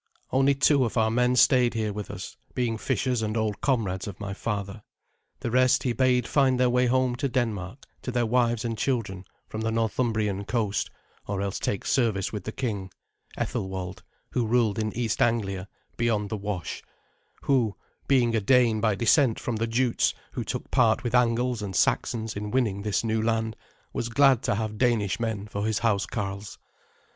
Only two of our men stayed here with us, being fishers and old comrades of my father. The rest he bade find their way home to Denmark to their wives and children, from the Northumbrian coast, or else take service with the king, Ethelwald, who ruled in East Anglia, beyond the Wash, who, being a Dane by descent from the Jutes who took part with Angles and Saxons in winning this new land, was glad to have Danish men for his housecarls.